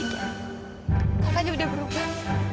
kak fadil sudah berubah